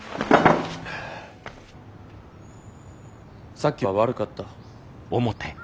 さっきは悪かった。